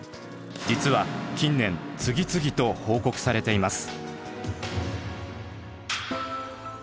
実は近年次々と報告されています。